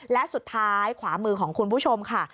และสุดท้ายขวามือของคุณผู้ชมค่ะ